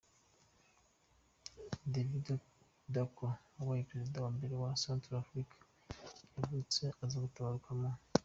David Dacko wabaye perezida wa mbere wa Centrafrika nibwo yavutse, aza gutabaruka mu .